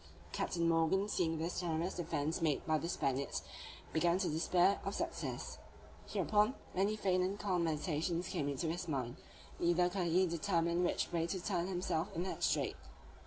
Captain Morgan seeing this desperate defence made by the Spaniards, began to despair of success. Hereupon, many faint and calm meditations came into his mind; neither could he determine which way to turn himself in that strait.